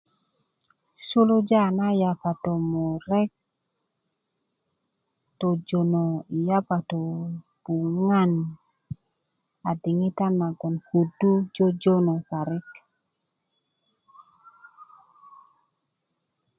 suluja na yapato murek tojono yapato buŋan a diŋitan nagon kudu jöjönö parik